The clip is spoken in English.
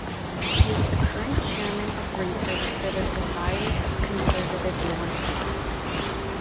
He is the current Chairman of Research for the Society of Conservative Lawyers.